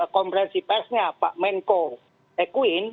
konferensi persnya pak menko ekuin